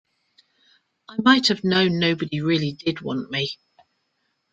I might have known nobody really did want me.